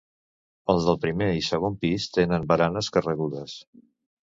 Els del primer i segon pis tenen baranes corregudes.